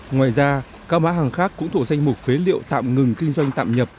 ngoài ra các mã hàng khác cũng thuộc danh mục phế liệu tạm ngừng kinh doanh tạm nhập